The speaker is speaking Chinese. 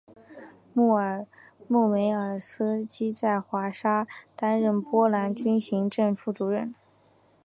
日梅尔斯基在华沙担任波兰军行政副主任。